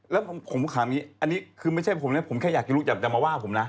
แล้วผมถามอย่างนี้อันนี้คือไม่ใช่ผมนะผมแค่อยากจะรู้อยากจะมาว่าผมนะ